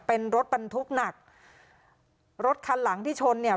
เป็นรถบรรทุกหนักรถคันหลังที่ชนเนี่ย